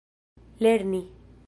lerni